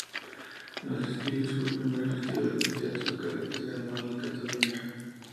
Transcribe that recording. Lo de Sitges fue el primer festival de teatro de carácter anual en Cataluña.